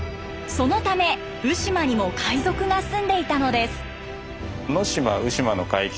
そのため鵜島にも海賊が住んでいたのです。